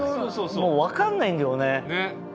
もう分かんないんだよね。